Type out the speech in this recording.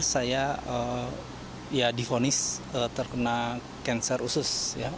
saya difonis terkena kanser usus